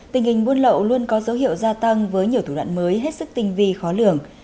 tình hình buôn lậu luôn có dấu hiệu gia tăng với nhiều thủ đoạn mới hết sức tinh vi khó lường